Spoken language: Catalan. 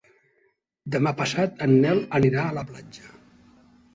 Demà passat en Nel anirà a la platja.